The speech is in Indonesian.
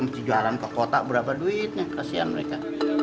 mesti jualan ke kota berapa duitnya kasihan mereka